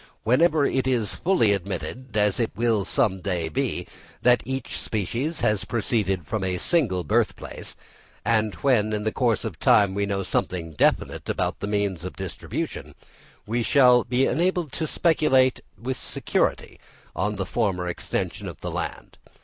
Whenever it is fully admitted, as it will some day be, that each species has proceeded from a single birthplace, and when in the course of time we know something definite about the means of distribution, we shall be enabled to speculate with security on the former extension of the land.